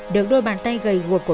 được đôi bàn tay gầy gột